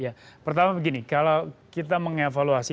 ya pertama begini kalau kita mengevaluasi